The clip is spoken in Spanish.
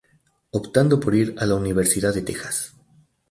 Optando por ir a la Universidad de Texas.